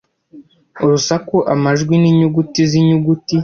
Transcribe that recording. urusaku amajwi n'inyuguti z'inyuguti